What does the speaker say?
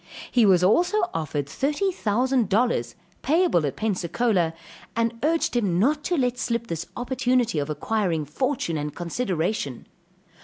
He was also offered thirty thousand dollars, payable at Pensacola, and urged him not to let slip this opportunity of acquiring fortune and consideration.